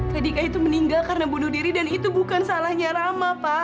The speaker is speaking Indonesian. ketika itu meninggal karena bunuh diri dan itu bukan salahnya rama pak